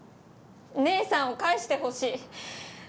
姉さんを返してほしい。